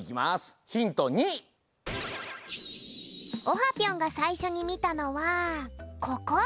オハぴょんがさいしょにみたのはここ！